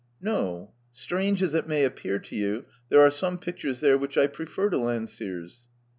*'No. Strange as it may appear to you, there are some pictures there which I prefer to Landseer's."